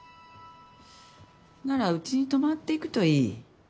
ならうちに泊まっていくといい。